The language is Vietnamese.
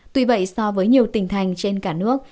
tuy vậy so với nhiều tỉnh thành trên cả nước